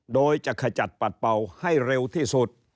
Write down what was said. โดยจะขจัดปัดเป่าให้เร็วที่สุด